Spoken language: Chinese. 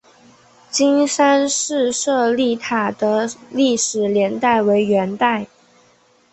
金山寺舍利塔的历史年代为元代。